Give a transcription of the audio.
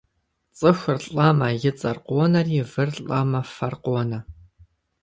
Цӏыхур лӏэмэ и цӏэр къонэри, выр лӏэмэ фэр къонэ.